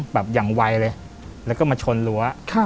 แบบอย่างไวเลยแล้วก็มาชนรั้ว